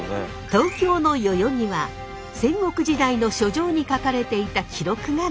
東京の代々木は戦国時代の書状に書かれていた記録が残っています。